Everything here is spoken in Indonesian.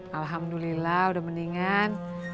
alhamdulillah udah mendingan